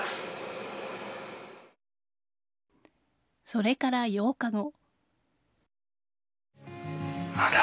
それから８日後。